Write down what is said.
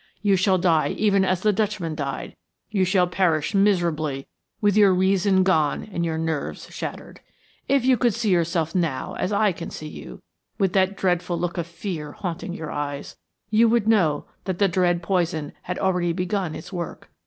You shall die even as the Dutchman died, you shall perish miserably with your reason gone and your nerves shattered. If you could see yourself now as I can see you, with that dreadful look of fear haunting your eyes, you would know that the dread poison had already begun its work.